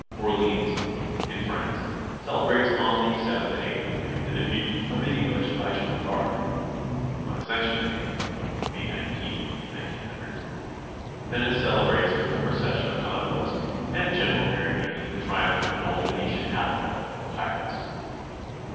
Orleans, in Erance, celeibrates on the 7th and 8th of May the defeat of the Englisih by Joan of Arc. On Ascension Day (May 19 in 1900) Venice cele brates with a procession of gondolas and general merry making the triumph of an old Venetian admiral over pirates.